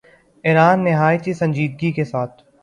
ایران نہایت سنجیدگی کے ساتھ